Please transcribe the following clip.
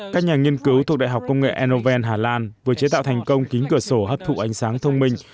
các nhà nghiên cứu thuộc đại học công nghệ enoven hà lan vừa chế tạo thành công kín cửa sổ hấp thụ ánh sáng thông minh